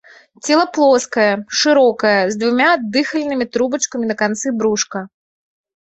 Цела плоскае, шырокае, з двума дыхальнымі трубачкамі на канцы брушка.